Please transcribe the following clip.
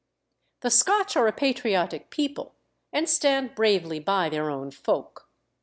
The Scotch are a patriotic people, and stand bravely by their own folk.